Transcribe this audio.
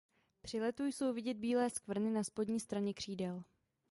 Při letu jsou vidět bílé skvrny na spodní straně křídel.